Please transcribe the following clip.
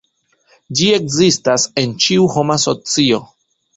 Ĝi ekzistas en ĉiu homa socio.